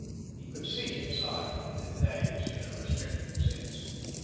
He could see inside; that is, in a restricted sense.